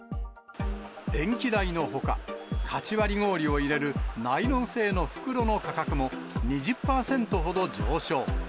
電気代のほか、かち割り氷を入れるナイロン製の袋の価格も２０％ほど上昇。